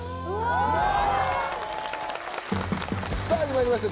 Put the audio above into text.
さぁ始まりました